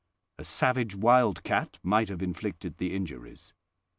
A savage wild cat might have inflicted the injuries.